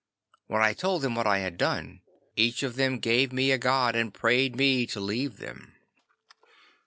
When I told them what I had done, each of them gave me a god and prayed me to leave them.